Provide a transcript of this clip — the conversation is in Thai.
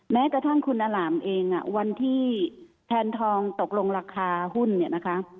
แม้กระทั่งคุณอล่ามเองวันที่แพนทองตกลงราคาหุ้นเนี่ยนะคะ